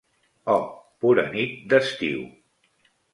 Oh pura nit d'estiu!